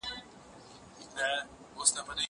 زه به ونې ته اوبه ورکړې وي!!